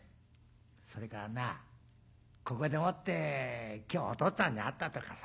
それからなここでもって今日おとっつぁんに会ったとかさ